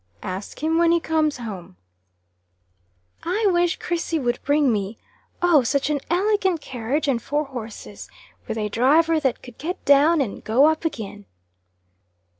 "Ask him when he comes home." "I wish Krissy would bring me, Oh, such an elegant carriage and four horses, with a driver that could get down and go up again."